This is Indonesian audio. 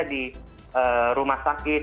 di rumah sakit